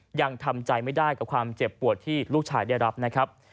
เพราะว่ายังทำใจไม่ได้กับความเจ็บปวดที่ลูกชายได้รับ